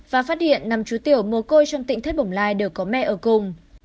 và phát hiện năm chú tiểu mồ côi trong tỉnh thất bồng lai đều có mẹ ở cùng